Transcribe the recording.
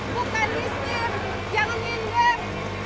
bukan listir jangan minder